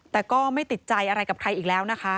แต่ก็ไม่ติดใจอะไรกับใครอีกแล้วนะคะ